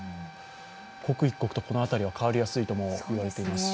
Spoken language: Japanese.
刻一刻と変わりやすいともいわれていますし。